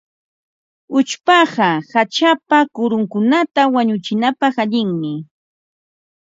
Uchpaqa hachapa kurunkunata wanuchinapaq allinmi.